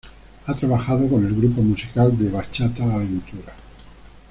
Ha trabajado con el grupo musical de bachata Aventura.